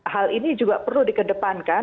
hal ini juga perlu dikedepankan